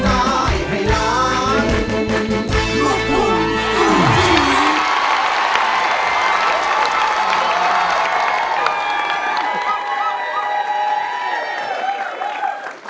ได้ค่ะ